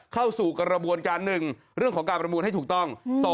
เข้าสู่กระบวนการ๑เรื่องของการประมูลให้ถูกต้อง